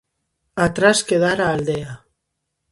Atrás quedara a aldea.